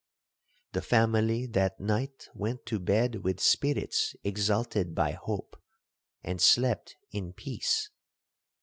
'The family that night went to bed with spirits exalted by hope, and slept in peace.